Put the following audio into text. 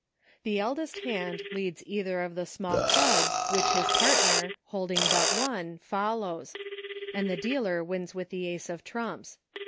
The eldest hand 54 EUCHRE, leads either of the small clubs which his partner, holding but one, follows, and the dealer wins with the Ace of trumps.